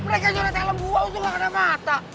lo udah jorat telepon gue untuk gak kena mata